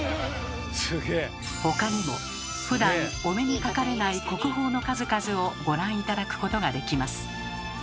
他にもふだんお目にかかれない国宝の数々をご覧頂くことができます。